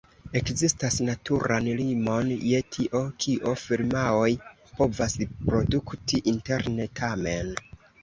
Ekzistas naturan limon je tio kio firmaoj povas produkti interne, tamen.